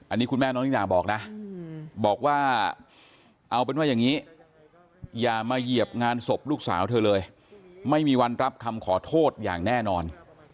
อันนี้คุณแม่น้องนิน่าบอกนะบอกว่าเอาเป็นว่าอย่างนี้อย่ามาเหยียบงานศพลูกสาวเธอเลยไม่มีวันรับคำขอโทษอย่างแน่นอน